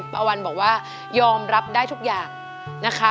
ป้าวันบอกว่ายอมรับได้ทุกอย่างนะคะ